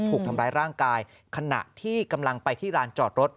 ถูกทำร้ายร่างกายขณะที่กำลังไปที่ร้านจอดรถ